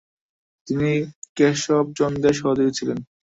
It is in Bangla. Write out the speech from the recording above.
তিনি কেশবচন্দ্রের সহযোগী ছিলেন।